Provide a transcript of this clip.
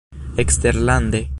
Eksterlande.